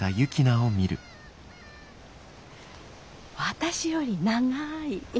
私より長い。